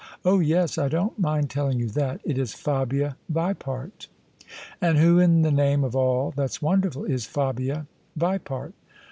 " "Oh, yes I I don't mind telling you that It is Fabia Vipart." " And who, in the name of all that's wonderful, is Fabia Vipart?"